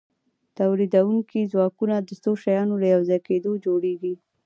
تولیدونکي ځواکونه د څو شیانو له یوځای کیدو جوړیږي.